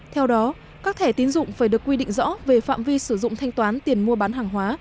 theo đó các thẻ tín dụng phải được quy định rõ về phạm vi sử dụng thanh toán tiền mua bán hàng hóa